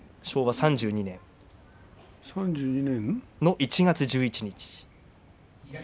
昭和３２年１月１１日。